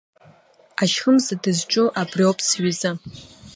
Ашьхымза дызҿу абриоуп, сҩыза.